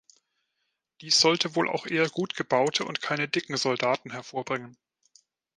Dies sollte wohl auch eher gut gebaute und keine dicken Soldaten hervorbringen.